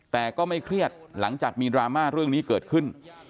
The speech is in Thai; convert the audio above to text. แต่ก็ไม่เครียดหลังจากมีดราม่าเรื่องนี้เกิดขึ้น